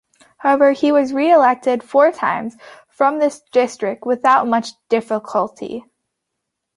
However, he was reelected four times from this district without much difficulty.